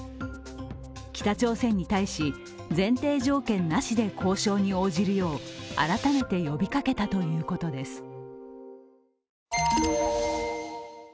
北朝鮮に対し、前提条件なしで交渉に応じるよう改めて呼びかけたということです。